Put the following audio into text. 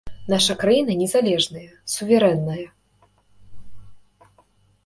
Наша краіна незалежная, суверэнная.